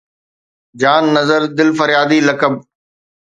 جان نظر دل فريادي لقب